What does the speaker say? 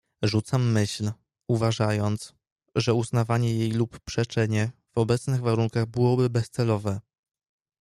"Rzucam myśl, uważając, że uznawanie jej lub przeczenie w obecnych warunkach byłoby bezcelowe."